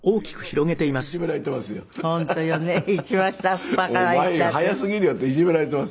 お前早すぎるよっていじめられていますよ。